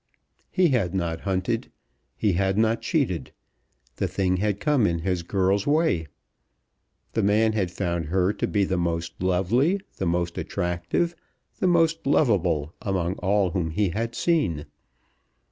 He had not hunted. He had not cheated. The thing had come in his girl's way. The man had found her to be the most lovely, the most attractive, the most loveable among all whom he had seen.